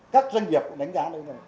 các doanh nghiệp cũng đánh giá